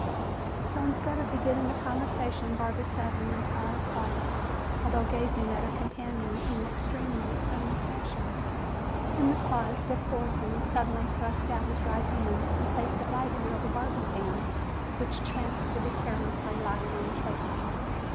So instead of beginning a conversation Barbara sat in entire quiet, although gazing at her companion in an extremely friendly fashion. In the pause Dick Thornton suddenly thrust out his right hand and placed it lightly over Barbara's hand, which chanced to be carelessly lying on the table.